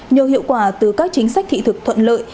nhờ hiệu quả từ các chính sách thị thực thuận lợi